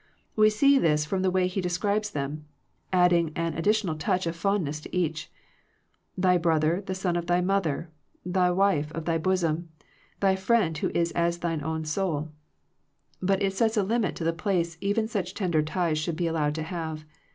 We see this from the way he describes them, adding an ad ditional touch of fondness to each, "thy brother the son of thy mother, the wife of thy bosom, thy friend who is as thine own soul." But it sets a limit to the place even such tender ties should be allowed to have.